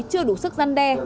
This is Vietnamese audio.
chưa đủ sức gian đe